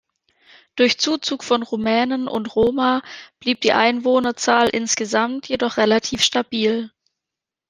Durch Zuzug von Rumänen und Roma blieb die Einwohnerzahl insgesamt jedoch relativ stabil.